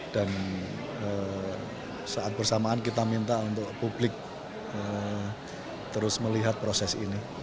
dan saat bersamaan kita minta untuk publik terus melihat proses ini